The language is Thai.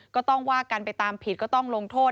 ก็ต้องว่ากันไปตามผิดก็ต้องลงโทษ